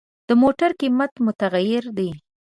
د موټر قیمت متغیر دی.